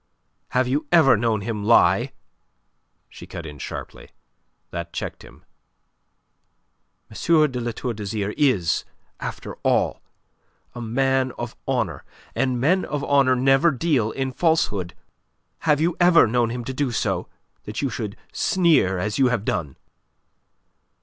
"Have you ever known him lie?" she cut in sharply. That checked him. "M. de La Tour d'Azyr is, after all, a man of honour, and men of honour never deal in falsehood. Have you ever known him do so, that you should sneer as you have done?"